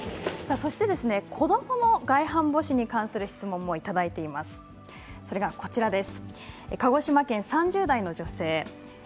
そして子どもの外反ぼしに関する質問もいただいています。